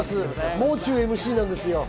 もう中がＭＣなんですよ。